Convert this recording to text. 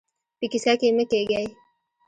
په کيسه کې يې مه کېږئ.